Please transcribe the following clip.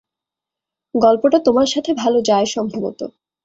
গল্পটা তোমার সাথে ভালো যায় সম্ভবত।